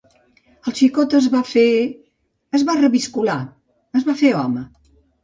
El xicot es va fer… es va reviscolar… es va fer home.